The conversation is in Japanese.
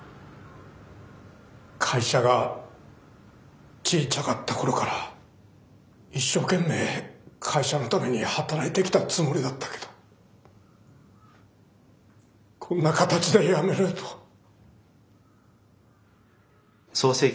会社がちいちゃかった頃から一生懸命会社のために働いてきたつもりだったけどこんな形で辞めるとは。